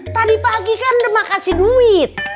tadi pagi kan demak kasih duit